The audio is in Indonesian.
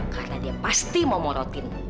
karena dia pasti mau morotin